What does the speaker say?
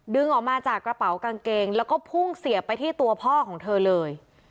ดึงออกมาจากกระเป๋ากางเกงแล้วก็พุ่งเสียบไปที่ตัวพ่อของเธอเลย